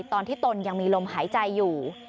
ตอนที่ตนยังมีลมหายใจอยู่